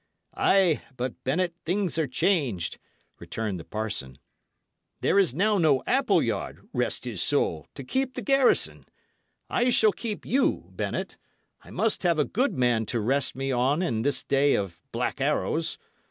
"Ay; but, Bennet, things are changed," returned the parson. "There is now no Appleyard rest his soul! to keep the garrison. I shall keep you, Bennet. I must have a good man to rest me on in this day of black arrows.